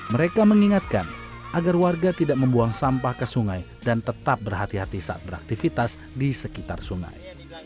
mereka mengingatkan agar warga tidak membuang sampah ke sungai dan tetap berhati hati saat beraktivitas di sekitar sungai